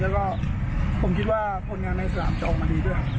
แล้วก็ผมคิดว่าผลงานในสนามจะออกมาดีด้วยครับ